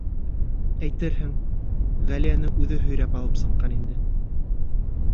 Әйтерһең, Ғәлиәне үҙе һөйрәп алып сыҡҡан инде.